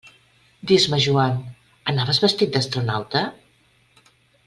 Dis-me, Joan, anaves vestit d'astronauta?